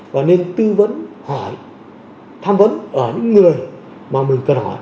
và nên tư vấn hỏi tham vấn ở những người mà mình cần hỏi